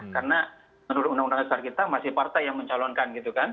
karena menurut undang undang negara kita masih partai yang mencalonkan